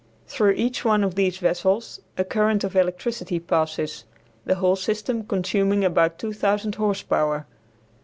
Through each one of these vessels a current of electricity passes; the whole system consuming about 2000 horse power.